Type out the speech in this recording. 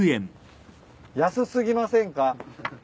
安過ぎませんか？